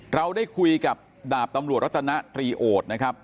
เราได้คุยกับดาบตำรวจรัตนตรีโอดนะครับ